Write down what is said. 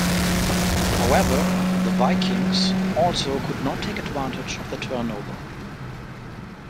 However, the Vikings also could not take advantage of the turnover.